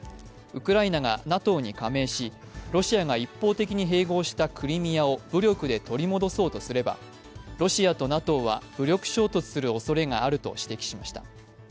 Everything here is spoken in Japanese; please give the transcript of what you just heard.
ウクライナがＮＡＴＯに加盟し、ロシアが一方的に併合したクリミアを武力で取り戻そうとすれば、ロシアとＮＡＴＯは武力衝突するおそれがあると指摘しました。